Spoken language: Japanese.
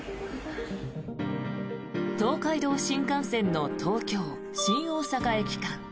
東海道新幹線の東京新大阪駅間